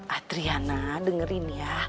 adriana dengerin ya